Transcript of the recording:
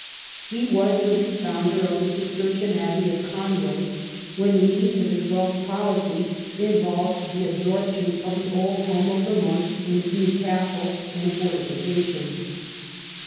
He was the refounder of the Cistercian abbey of Conway, when the needs of his Welsh policy involved the absorption of the old home of the monks in his new castle and forti fications.